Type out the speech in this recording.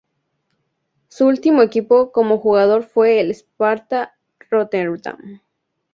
Su último equipo como jugador fue el Sparta Rotterdam.